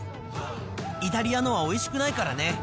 イタリアのはおいしくないからね。